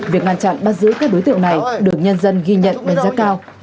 việc ngăn chặn bắt giữ các đối tượng này được nhân dân ghi nhận đánh giá cao